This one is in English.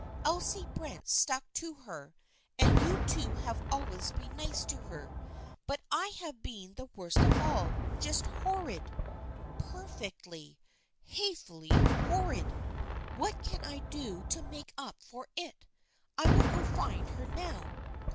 Elsie Brent stuck to her, and you two have always been nice to her. But I have been the worst of all. Just horrid. Perfectly, THE FRIENDSHIP OF ANNE 227 hatefully, horrid ! What can I do to make up for it ? I will go find her now."